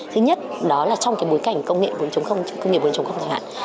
thứ nhất đó là trong cái bối cảnh công nghệ bốn công nghệ bốn